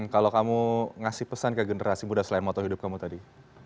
kalau kamu ngasih pesan ke generasi muda selain moto hidup kamu tadi